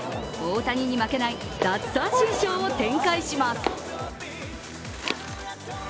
大谷に負けない奪三振ショーを展開します。